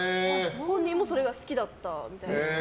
本人もそれが好きだったみたいな。